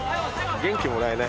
元気もらえない？